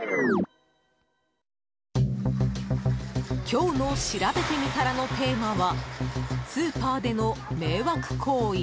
今日のしらべてみたらのテーマは、スーパーでの迷惑行為。